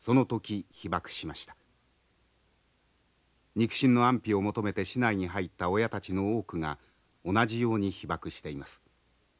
肉親の安否を求めて市内に入った親たちの多くが同じように被爆しています。